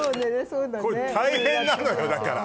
これ大変なのよだから。